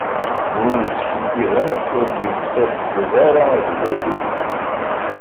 Win yeskiddiben, ur d-ittadded ara sdat-i.